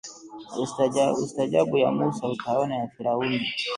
Ukistaajabu ya Musa utaona ya firauni